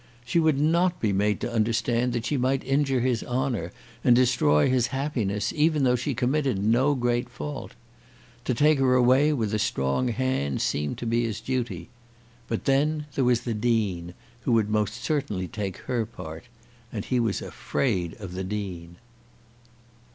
She would not be made to understand that she might injure his honour and destroy his happiness even though she committed no great fault. To take her away with a strong hand seemed to be his duty. But then there was the Dean, who would most certainly take her part, and he was afraid of the Dean.